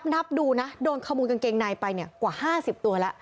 นับดูนะโดนขโมยกางเกงในไปกว่า๕๐ตัวแล้ว